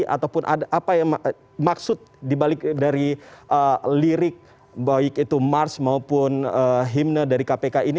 ataupun apa yang maksud dibalik dari lirik baik itu mars maupun himne dari kpk ini